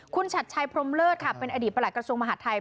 คุณชัดชัยพรมเลิศค่ะเป็นอดีตประหลักกระทรวงมหาดไทย